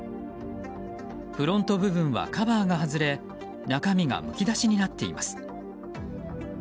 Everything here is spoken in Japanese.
フロント部分はカバーが外れ中身がむき出しになっています。